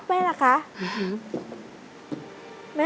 สวัสดีครับ